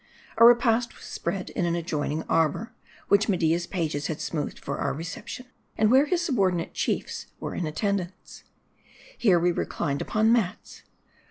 A repast was spread in an adjoining arbor, which Me dia's pages had smoothed for our reception, and where his subordinate chiefs were in attendance. Here we reclined upon mats.